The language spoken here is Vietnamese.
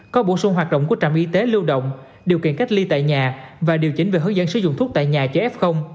có bổ sung hoạt động của trạm y tế lưu động điều kiện cách ly tại nhà và điều chỉnh về hướng dẫn sử dụng thuốc tại nhà cho f